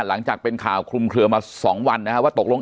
หลังจากเป็นข่าวคลุมเคลือมา๒วันนะฮะว่าตกลง